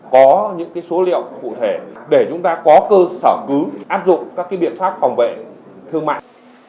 có những số liệu cụ thể để chúng ta có cơ sở cứ áp dụng các biện pháp phòng vệ thương mại